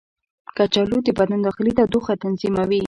کچالو د بدن داخلي تودوخه تنظیموي.